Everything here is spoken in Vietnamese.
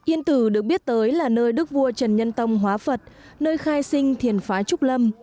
yên tử được biết tới là nơi đức vua trần nhân tông hóa phật nơi khai sinh thiền phá trúc lâm